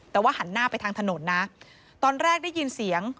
แต่ว่าหันหน้าไปทางถนนนะตอนแรกได้ยินเสียง